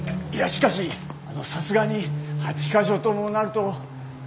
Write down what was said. いやしかしさすがに８か所ともなると。